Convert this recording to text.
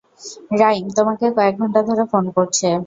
Rhyme তোমাকে কয়েক ঘন্টা ধরে ফোন করছে।